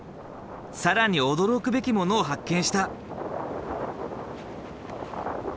更に驚くべきものを発見した。